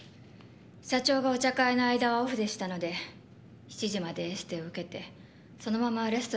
社長がお茶会の間はオフでしたので７時までエステを受けてそのままレストランで食事を。